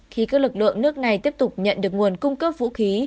khi các lực lượng nước này tiếp tục nhận được nguồn cung cấp vũ khí